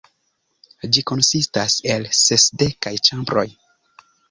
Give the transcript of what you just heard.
Ĝi konsistas el sesdek ĉambroj.